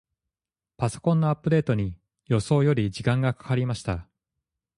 パソコンのアップデートに、予想より時間がかかりました。